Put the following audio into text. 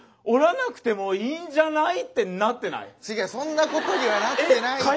そんなことにはなってないから。